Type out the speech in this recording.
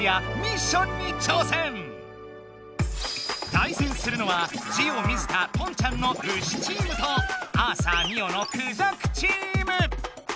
対戦するのはジオ水田・ポンちゃんのウシチームとアーサー・ミオのクジャクチーム。